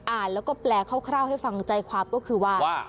อ่านแล้วก็แปลคร่าวให้ฟังใจความก็คือว่า